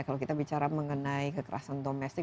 kalau kita bicara mengenai kekerasan domestik